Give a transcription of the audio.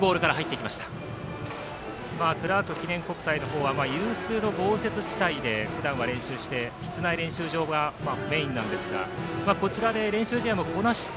クラーク記念国際の方は有数の豪雪地帯でふだんは室内練習場がメインなんですがこちらで練習試合もこなして